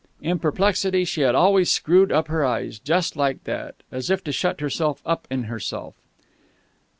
In perplexity, she had always screwed up her eyes just like that, as if to shut herself up in herself.